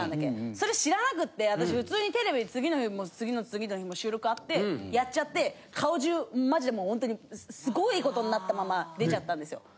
それ知らなくて私普通にテレビ次の日も次の次の日も収録あってやっちゃって顔中マジでもうホントに凄いことになったまま出ちゃったんですよ。